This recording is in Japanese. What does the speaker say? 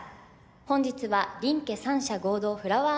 本日は林家三者合同フラワー